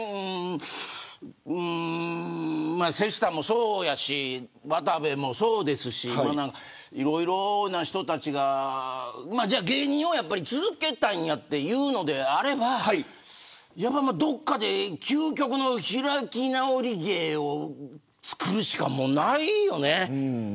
瀬下もそうやし渡部もそうですしいろいろな人たちがやっぱり芸人を続けたいんやというのであればどっかで究極の開き直り芸をつくるしかもうないよね。